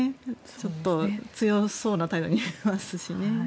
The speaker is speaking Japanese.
ちょっと強そうな態度に見えますしね。